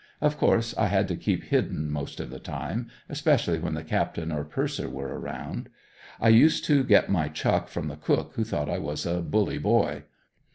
Of course I had to keep hidden most of the time, especially when the captain or purser were around. I used to get my chuck from the cook who thought I was a bully boy.